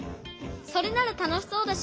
それならたのしそうだし